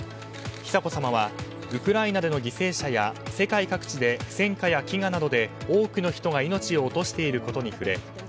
久子さまはウクライナでの犠牲者や世界各地で戦禍や飢餓などで多くの人が命を落としていることに触れ